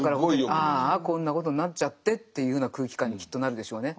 ああこんなことになっちゃってっていうふうな空気感にきっとなるでしょうね。